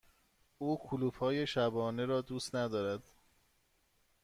او کلوپ های شبانه را دوست ندارد.